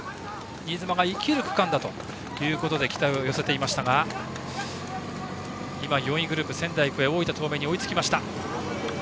新妻が生きる区間だということで期待を寄せていましたが４位グループ、仙台育英大分東明に追いつきました。